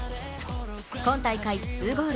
今大会２ゴール。